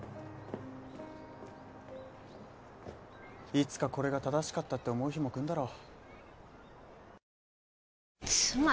いつかこれが正しかったって思う日もくんだろう。